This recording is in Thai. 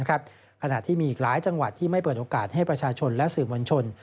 ขณะที่มีอีกหลายจังหวัดที่ไม่เปิดโอกาสให้ประชาชนและสื่อมวลชน